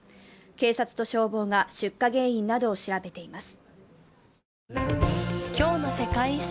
警察と消防が出火原因などを調べています。